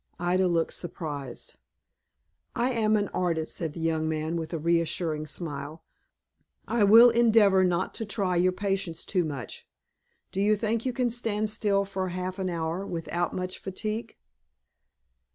Ida looked surprised. "I am an artist," said the young man, with a reassuring smile. "I will endeavor not to try your patience too much. Do you think you can stand still for half an hour, without much fatigue?"